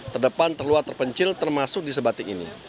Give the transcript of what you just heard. terdepan terluar terpencil termasuk di sebatik ini